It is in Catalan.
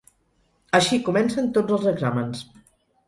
Així comencen tots els exàmens.